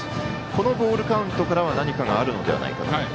このボールカウントからは何かがあるのではないかと。